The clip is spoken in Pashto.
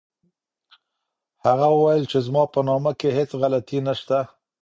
هغه وویل چي زما په نامه کي هیڅ غلطي نسته.